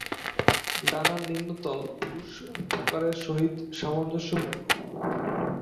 ডানার নিম্নতল পুরুষ প্রকারের সহিত সামঞ্জস্যপূর্ণ।